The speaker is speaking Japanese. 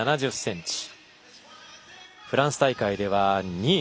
フランス大会では、２位。